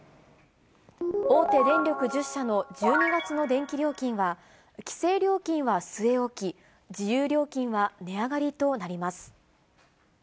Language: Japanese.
大手電力１０社の１２月の電気料金は、規制料金は据え置き、自由料金は値上がりとなります。